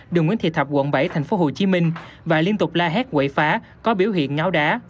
đường nguyễn thị thập quận bảy thành phố hồ chí minh và liên tục la hét quẩy phá có biểu hiện ngáo đá